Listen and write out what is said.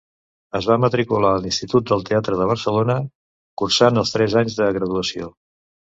Es va matricular a l'Institut del Teatre de Barcelona cursant els tres anys de graduació.